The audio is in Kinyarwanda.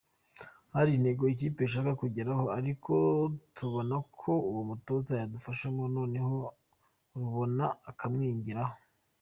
Hari intego ikipe ishaka kugeraho ariko tubona ko uwo mutoza yadufashamo noneho Rubona akamwigiraho.